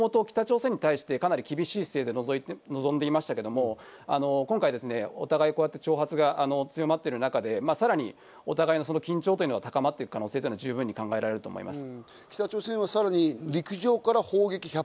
ですので韓国側、ユン政権、もともと北朝鮮に対してかなり厳しい姿勢で臨んでいましたけど、今回、お互いこうやって挑発が強まっている中でお互いの緊張というのが高まっている可能性が十分に考えられます。